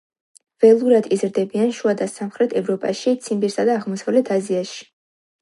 ველურად იზრდებიან შუა და სამხრეთ ევროპაში, ციმბირსა და აღმოსავლეთ აზიაში.